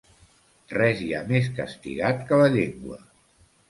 Res hi ha més castigat que la llengua.